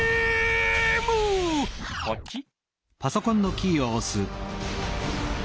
ポチッ。